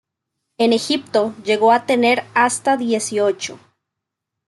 En Egipto, llegó a tener hasta dieciocho.